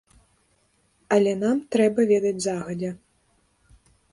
Але нам трэба ведаць загадзя.